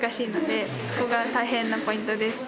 そこが大変なポイントです。